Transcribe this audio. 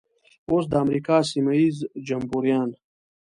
اوس د امریکا سیمه ییز جمبوریان.